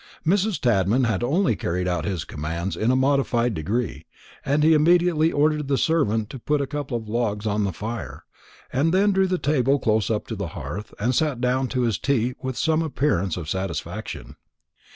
Mrs. Tadman had only carried out his commands in a modified degree, and he immediately ordered the servant to put a couple of logs on the fire, and then drew the table close up to the hearth, and sat down to his tea with some appearance of satisfaction.